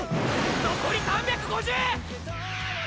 残り３５０！